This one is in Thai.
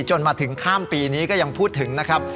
จนมาถึงข้ามปีนี้ก็ยังพูดถึงนะครับ